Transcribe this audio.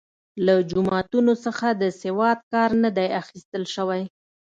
له جوماتونو څخه د سواد کار نه دی اخیستل شوی.